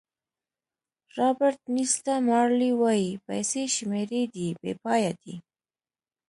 رابرټ نیسټه مارلې وایي پیسې شمېرې دي بې پایه دي.